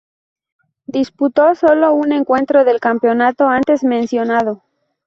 Disputó solo un encuentro del campeonato antes mencionado.